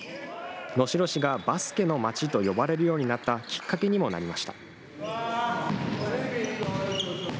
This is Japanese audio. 能代市がバスケの街と呼ばれるようになったきっかけにもなりました。